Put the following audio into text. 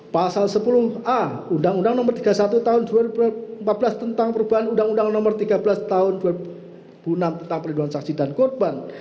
pasal sepuluh a undang undang no tiga puluh satu tahun dua ribu empat belas tentang perubahan undang undang nomor tiga belas tahun dua ribu enam tentang perlindungan saksi dan korban